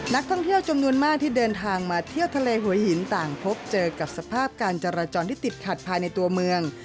นักท่องเที่ยวจำนวนมากที่เดินทางมาเที่ยวทะเลหัวหินต่างพบเจอกับสภาพการจราจรที่ติดขัดภายในตัวเมือง